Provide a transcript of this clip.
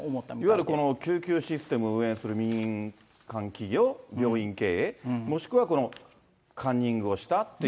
いわゆるこの救急システム運営する民間企業、病院経営、もしくはこのカンニングをしたってい